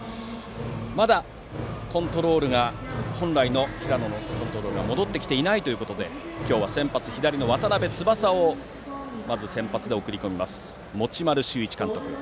まだ本来の平野のコントロールが戻ってきていないということで今日は左の渡邉翼をまず先発で送り込みます持丸修一監督。